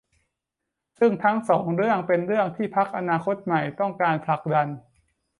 ซึ่งทั้งสองเรื่องเป็นเรื่องที่พรรคอนาคตใหม่ต้องการผลักดัน